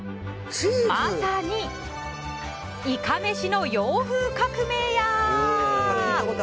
まさにいかめしの洋風革命や！